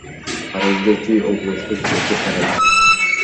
Арызды Чүй облустук соту карайт.